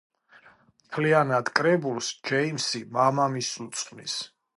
მთლიანად კრებულს ჯეიმსი მამამისს უძღვნის.